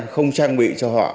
không trang bị cho họ